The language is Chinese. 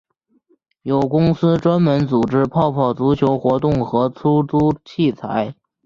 有公司专门组织泡泡足球活动和出租器材。